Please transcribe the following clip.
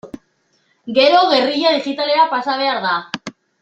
Gero, gerrilla digitalera pasa behar da.